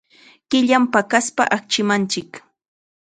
Killam paqaspa achkimanchik.